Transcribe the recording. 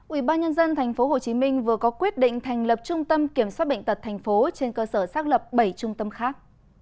ubnd tp hcm vừa có quyết định thành lập trung tâm kiểm soát bệnh tật tp trên cơ sở xác lập bảy trung tâm khác